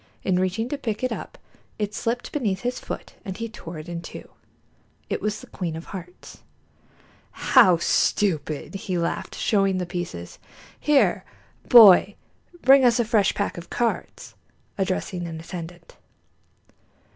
In reaching to pick it up it slipped beneath his foot and he tore it into two. It was the queen of hearts. "How stupid!" he laughed, showing the pieces. "Here, boy, bring us a fresh pack of cards," addressing an attendant.